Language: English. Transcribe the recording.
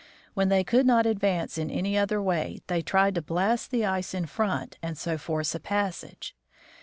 When they could not advance in any other way, they tried to blast the ice in front and so force a passage.